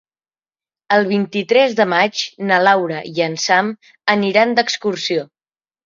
El vint-i-tres de maig na Laura i en Sam aniran d'excursió.